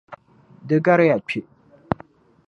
Di gariya kpe.